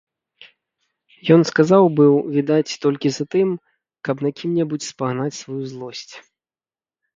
Ён сказаў быў, відаць, толькі затым, каб на кім-небудзь спагнаць сваю злосць.